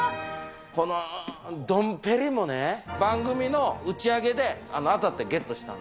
このドンペリもね、番組の打ち上げで当たってゲットした。